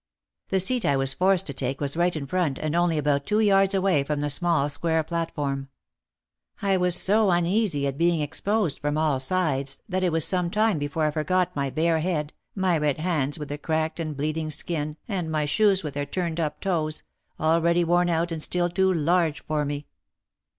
The seat I was forced to take was right in front and only about two yards away from the small square platform. I was so uneasy at being exposed from all sides that it was some time before I forgot my bare head, my red hands with the cracked and bleeding skin and my shoes with their turned up noses — already worn out and still too large for me.